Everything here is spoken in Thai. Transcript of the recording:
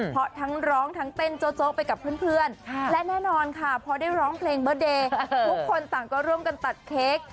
เพราะทั้งร้องทั้งเต้นโจ๊กไปกับเพื่อนและแน่นอนค่ะพอได้ร้องเพลงเบิร์ตเดย์ทุกคนต่างก็ร่วมกันตัดเค้ก